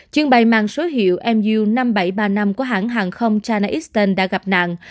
truyền bày màn số hiệu mu năm nghìn bảy trăm ba mươi năm của hãng hàng không china eastern đã gặp nạn